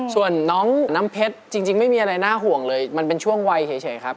ส่วนน้องน้ำเพชรจริงไม่มีอะไรน่าห่วงเลยมันเป็นช่วงวัยเฉยครับ